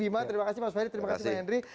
bima terima kasih mas ferry terima kasih bang henry